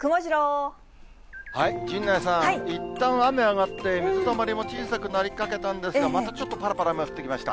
陣内さん、いったん雨上がって、水たまりも小さくなりかけたんですが、またちょっとぱらぱら今、降ってきました。